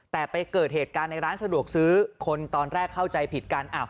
แต่ไปเกิดเหตุการณ์ในร้านสะดวกซื้อคนตอนแรกเข้าใจผิดกัน